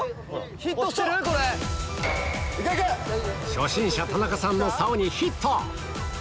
初心者田中さんのさおにヒット！